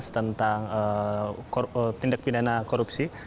tentang tindak pidana korupsi